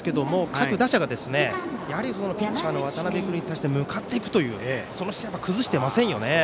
各打者がピッチャーの渡辺君に対して向かっていくという姿勢を崩していませんよね。